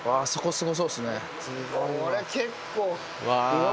これ結構。